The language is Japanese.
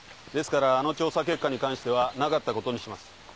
ですからあの調査結果に関してはなかったことにします。